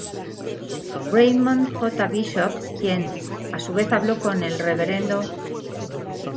Raymond J, Bishop, quien a su vez habló con el Rev.